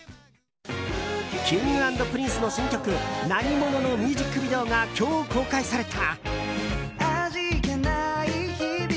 Ｋｉｎｇ＆Ｐｒｉｎｃｅの新曲「なにもの」のミュージックビデオが今日公開された。